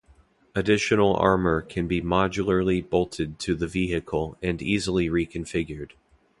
Additional armor can be modularly bolted to the vehicle and easily reconfigured.